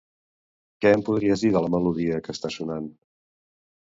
Què em podries dir de la melodia que està sonant?